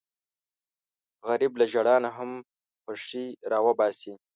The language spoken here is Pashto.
غریب له ژړا نه هم خوښي راوباسي